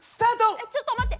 えちょっと待って。